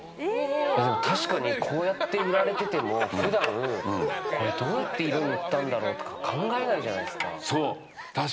確かにこうやって売られてても普段、これどうやって色塗ったんだろうって考えないじゃないですか。